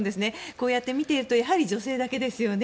こうやって見ているとやはり女性だけですよね。